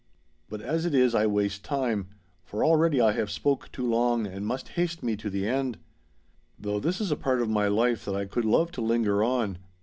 But as it is I waste time, for already I have spoke too long, and must haste me to the end. Though this is a part of my life that I could love to linger on.